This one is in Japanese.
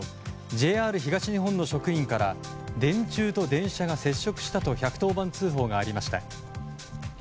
ＪＲ東日本の職員から電柱と電車が接触したと１１０番通報がありました。